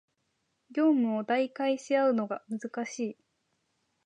業務を代替し合うのが難しい